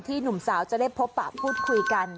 หนุ่มสาวจะได้พบปะพูดคุยกัน